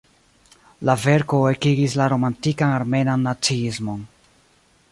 La verko ekigis la romantikan armenan naciismon.